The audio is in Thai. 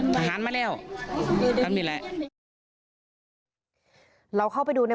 ข้อมูลจิตของลูกชายกำลังสรรค์ซัด